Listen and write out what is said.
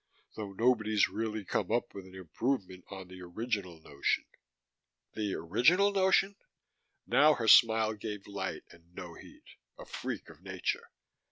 Though nobody's really come up with an improvement on the original notion." "The original notion?" Now her smile gave light and no heat, a freak of nature.